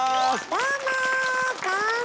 どうも！